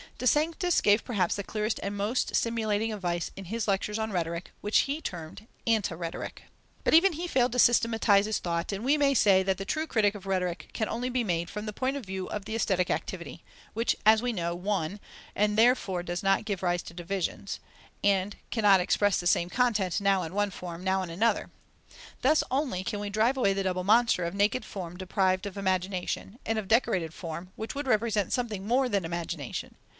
De Sanctis gave perhaps the clearest and most stimulating advice in his lectures on Rhetoric, which he termed Anti rhetoric. But even he failed to systematize his thought, and we may say that the true critique of Rhetoric can only be made from the point of view of the aesthetic activity, which is, as we know, one, and therefore does not give rise to divisions, and cannot express the same content now in one form, now in another. Thus only can we drive away the double monster of naked form deprived of imagination, and of decorated form, which would represent something more than imagination.